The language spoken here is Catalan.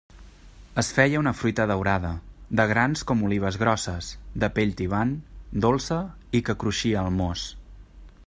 Es feia una fruita daurada, de grans com olives grosses, de pell tibant, dolça i que cruixia al mos.